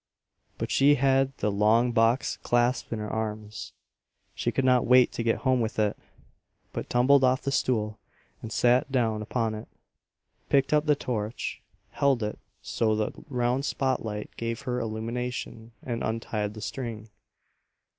But she had the long box clasped in her arms. She could not wait to get home with it, but tumbled off the stool and sat down upon it, picked up the torch, held it so the round spot light gave her illumination, and untied the string.